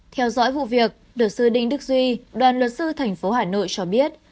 theo dõi vụ việc luật sư đinh đức duy đoàn luật sư thành phố hà nội cho biết